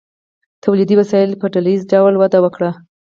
تولیدي وسایلو په ډله ایز ډول وده وکړه.